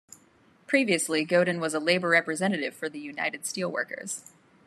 Previously, Godin was a labour representative for the United Steelworkers.